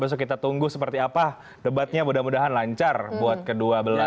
besok kita tunggu seperti apa debatnya mudah mudahan lancar buat kedua belah